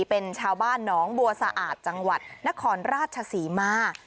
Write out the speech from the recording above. เป็นชาวบ้านหนองบัวสะอาดจังหวัดนครราชศรีมา